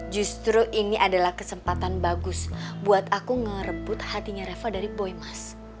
justru ini adalah kesempatan bagus buat aku ngerebut hatinya reva dari boy mas